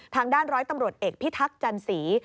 ทางด้านร้อยตำรวจเอกพิทักษ์จันสี